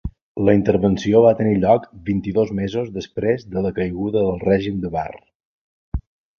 La intervenció va tenir lloc vint-i-dos mesos després de la caiguda del règim de Barre.